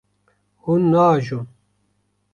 Hûn naajon.